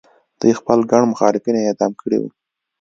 دوی خپل ګڼ مخالفین اعدام کړي وو.